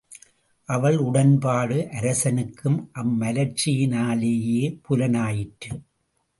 அவள் உடன்பாடு அரசனுக்கு அம் மலர்ச்சியினாலேயே புலனாயிற்று.